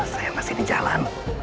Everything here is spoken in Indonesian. saya masih di jalan